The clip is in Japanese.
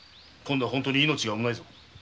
今度は本当に命が危ないぞ。